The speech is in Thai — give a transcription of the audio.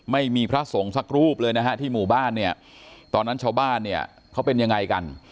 ไม่มีพระสงฆ์สักรูปเลยนะฮะที่หมู่บ้านเนี่ยตอนนั้นชาวบ้านเนี่ยเขาเป็นยังไงกัน